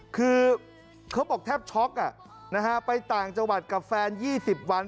คือเขาบอกแทบช็อกไปต่างจังหวัดกับแฟน๒๐วัน